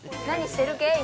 何してる系？